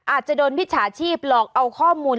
อาจจะโดนมิจฉาชีพหลอกเอาข้อมูล